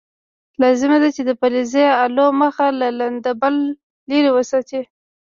لازمه ده چې د فلزي الو مخ له لنده بل لرې وساتئ.